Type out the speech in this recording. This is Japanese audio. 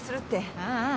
ああああ